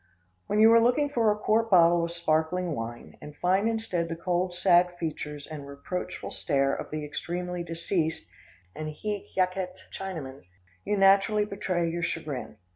When you are looking for a quart bottle of sparkling wine and find instead the cold, sad features and reproachful stare of the extremely deceased and hic jacet Chinaman, you naturally betray your chagrin.